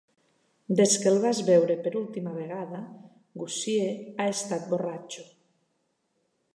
Des que el vas veure per última vegada, Gussie ha estat borratxo.